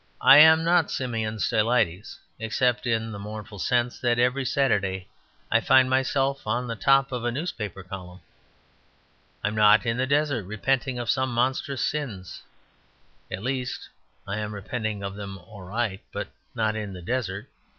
I am not Simeon Stylites; except in the mournful sense that every Saturday I find myself on the top of a newspaper column. I am not in the desert repenting of some monstrous sins; at least, I am repenting of them all right, but not in the desert.